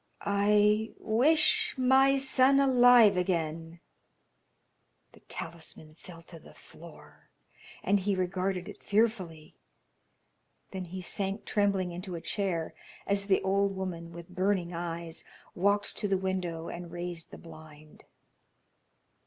"I wish my son alive again." The talisman fell to the floor, and he regarded it fearfully. Then he sank trembling into a chair as the old woman, with burning eyes, walked to the window and raised the blind.